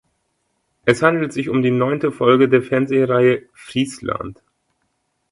Es handelt sich um die neunte Folge der Fernsehreihe "Friesland".